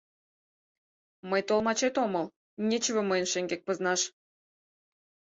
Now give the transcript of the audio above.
Мый толмачет омыл, нечыве мыйын шеҥгек пызнаш».